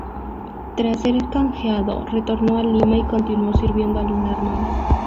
Tras ser canjeado, retornó a Lima y continuó sirviendo en la armada.